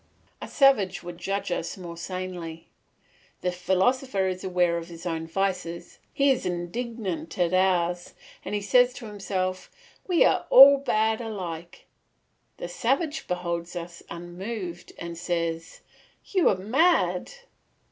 A savage would judge us more sanely. The philosopher is aware of his own vices, he is indignant at ours, and he says to himself, "We are all bad alike;" the savage beholds us unmoved and says, "You are mad."